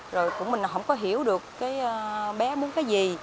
rồi của mình không có hiểu được cái bé muốn cái gì